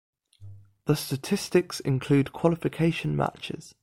The statistics include qualification matches.